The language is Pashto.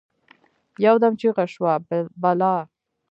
يودم چیغه شوه: «بلا!»